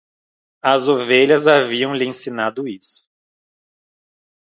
As ovelhas haviam lhe ensinado isso.